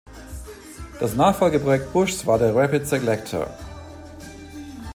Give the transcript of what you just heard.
Das Nachfolgeprojekt Bushs war der Rapid Selector.